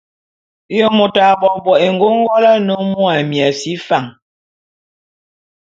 Ye môt a bo a bo'ok éngôngol ane mô Amiasi Fan?